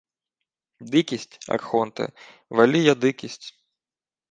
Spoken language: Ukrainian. — Дикість, архонте, велія дикість…